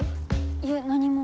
いえ何も。